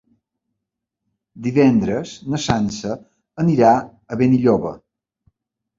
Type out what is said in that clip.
Divendres na Sança anirà a Benilloba.